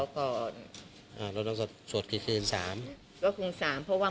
พรุ่งนี้จะเย็นเพราะว่า